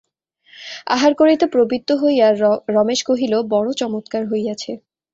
আহার করিতে প্রবৃত্ত হইয়া রমেশ কহিল, বড়ো চমৎকার হইয়াছে।